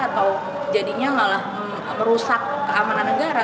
atau jadinya malah merusak keamanan negara